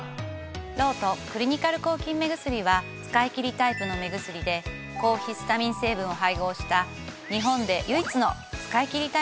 ロートクリニカル抗菌目薬は使いきりタイプの目薬で抗ヒスタミン成分を配合した日本で唯一の使いきりタイプの抗菌目薬なんです。